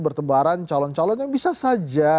bertebaran calon calon yang bisa saja